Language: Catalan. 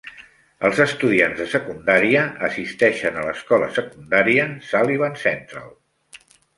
Els estudiants de secundària assisteixen a l'escola secundària Sullivan Central.